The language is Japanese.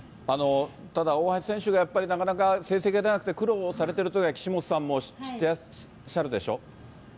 ただ、大橋選手がなかなか成績が出なくて苦労されてるときっていうのは、岸本さんも知ってらっしゃるでしょ。